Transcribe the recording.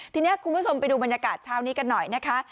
ทีนี้คุณผู้ชมไปดูบรรยากาศเช้านี้กันหน่อยนะคะ